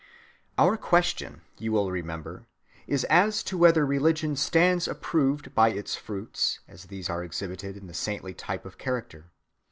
Our question, you will remember, is as to whether religion stands approved by its fruits, as these are exhibited in the saintly type of character.